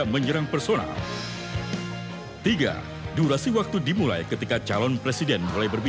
kita hipotesis masuk dan sekali lagi